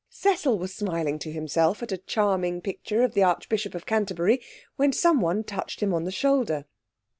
Cecil was smiling to himself at a charming picture of the Archbishop of Canterbury, when someone touched him on the shoulder.